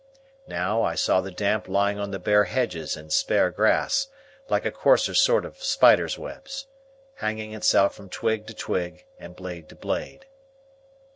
Now, I saw the damp lying on the bare hedges and spare grass, like a coarser sort of spiders' webs; hanging itself from twig to twig and blade to blade.